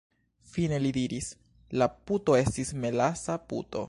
Fine li diris: "La puto estis melasa puto."